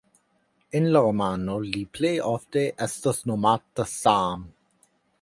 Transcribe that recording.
En la romano li plej ofte estas nomata Sam.